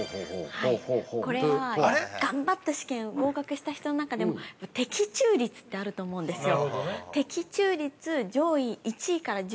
これは、頑張って試験を合格した人の中でも、的中率ってあると思うんですよ。